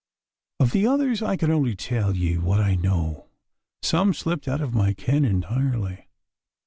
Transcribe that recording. Of the others I can only tell ye what I know. Some slipped out of my ken entirely.